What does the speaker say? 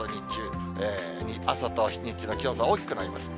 朝と日中の気温差大きくなります。